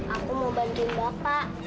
aku mau bantuin bapak